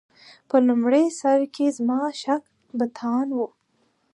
په لومړي سر کې زما شک بتان و.